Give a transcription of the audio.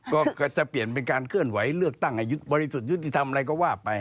ก็จะเปลี่ยนเป็นการเคลื่อนไหวเลือกตั้งบริสุทธิ์ยุติธรรมอะไรก็ว่าไป